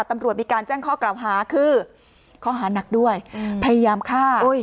ตำรวจมีการแจ้งข้อกล่าวหาคือข้อหานักด้วยพยายามฆ่า